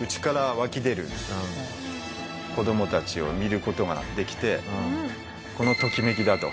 内から湧き出る子どもたちを見る事ができてこのトキメキだと。